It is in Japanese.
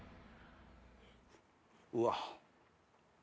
うわっ。